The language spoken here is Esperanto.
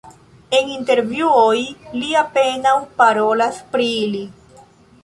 En intervjuoj li apenaŭ parolas pri ili.